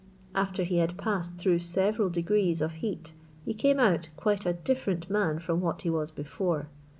After he had passed through several degrees of heat, he came out, quite a different man from what he was before.